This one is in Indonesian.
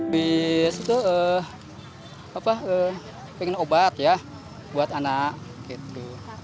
bis itu pengen obat ya buat anak gitu